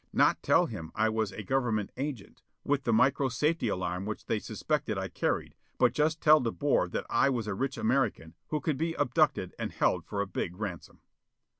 Not tell him I was a government agent, with the micro safety alarm which they suspected I carried, but just tell De Boer that I was a rich American, who could be abducted and held for a big ransom.